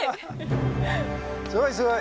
すごいすごい！